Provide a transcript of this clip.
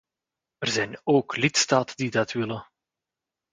Er zijn ook lidstaten die dat willen.